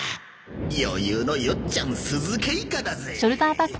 余裕のよっちゃん酢漬けイカだぜ！